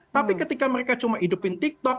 tapi ketika mereka cuma hidupin tiktok